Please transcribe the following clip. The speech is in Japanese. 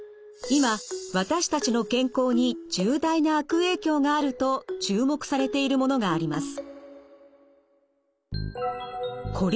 今私たちの健康に重大な悪影響があると注目されているものがあります。